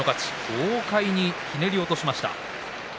豪快にひねり落としました。